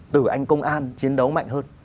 từ anh công an chiến đấu mạnh hơn